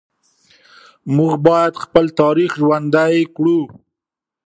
موږ باید خپل تاریخ ژوندي کړو.